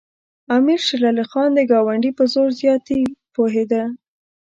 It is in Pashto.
امیر شېر علي خان د ګاونډي په زور زیاتي پوهېده.